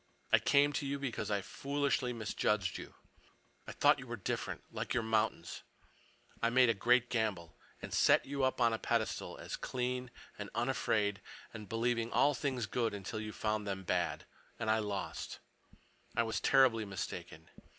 I came to you because I foolishly misjudged you. I thought you were different, like your mountains. I made a great gamble, and set you up on a pedestal as clean and unafraid and believing all things good until you found them bad—and I lost. I was terribly mistaken.